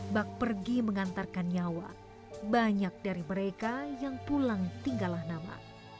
bak pergi mengantarkan nyawa banyak dari mereka yang pulang tinggallah nama